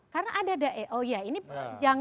karena ada dae oh iya ini yang